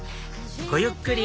ごゆっくり！